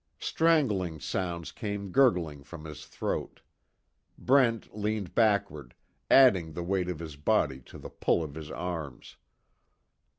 Strangling sounds came gurgling from his throat. Brent leaned backward, adding the weight of his body to the pull of his arms.